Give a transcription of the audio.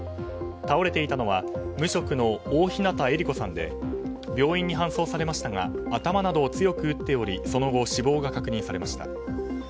倒れていたのは無職の大日向ヱリ子さんで病院に搬送されましたが頭をなどを強く打っておりその後、死亡が確認されました。